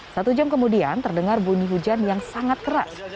satu jam kemudian terdengar bunyi hujan yang sangat keras